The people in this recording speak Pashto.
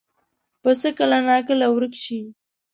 پسه کله ناکله ورک شي.